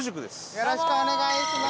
よろしくお願いします。